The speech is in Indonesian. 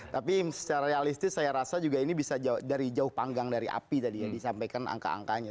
tapi secara realistis saya rasa juga ini bisa dari jauh panggang dari api tadi ya disampaikan angka angkanya